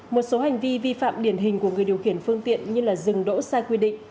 một số hành vi vi phạm điển hình của người điều khiển phương tiện như dừng đỗ sai quy định